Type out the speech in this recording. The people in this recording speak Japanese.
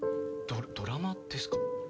ドラマですか？